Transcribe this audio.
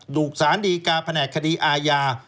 ถูกสารดีกาแผนกคดีอาญา